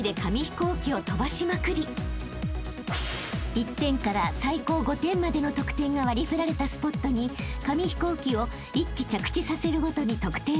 ［１点から最高５点までの得点が割り振られたスポットに紙飛行機を１機着地させるごとに得点をゲット］